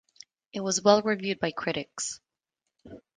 It was well reviewed by critics.